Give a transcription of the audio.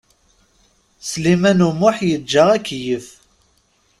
Sliman U Muḥ yeǧǧa akeyyef.